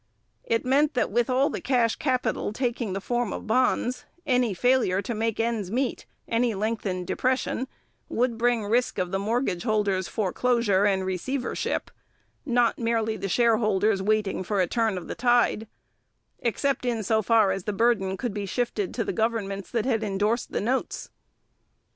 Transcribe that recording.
It meant that with all the cash capital taking the form of bonds, any failure to make ends meet, any lengthened depression, would bring risk of the mortgage holders' foreclosure and receivership not merely the shareholders' waiting for a turn of the tide except in so far as the burden could be shifted to the governments that had endorsed the notes.